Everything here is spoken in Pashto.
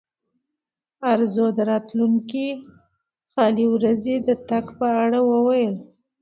ارزو د راتلونکې خالي ورځې د تګ په اړه وویل.